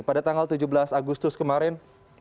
pada tanggal tujuh belas agustus kemarin